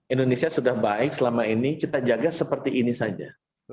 indonesia sudah baik selama ini kita jaga seperti ini saja